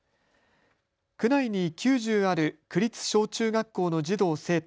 区内に９０ある区立小中学校の児童・生徒